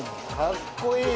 かっこいい！